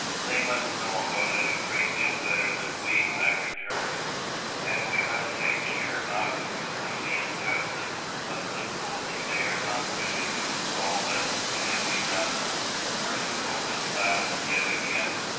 "They must know about it a great deal better than we," I returned; "and we must take care not to do them the injustice of supposing they are not ready to do all that can be done." Percivale was silent yet again.